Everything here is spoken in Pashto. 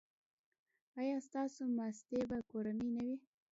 ایا ستاسو ماستې به کورنۍ نه وي؟